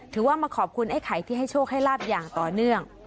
ถือว่ามาขอบคุณไอ้ไข่ที่ให้โชคให้ลาบอย่างต่อเนื่อง